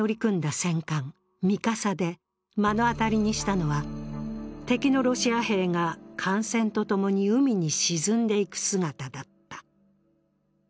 戦艦「三笠」で目の当たりにしたのは、敵のロシア兵が艦船とともに海に沈んでいく姿だった。